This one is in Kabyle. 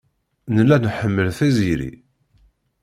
Nella nḥemmel Tiziri.